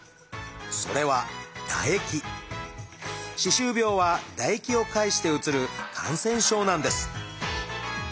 それは歯周病は唾液を介してうつる感染症なんです。